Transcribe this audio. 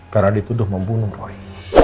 karena dituduh membunuh roy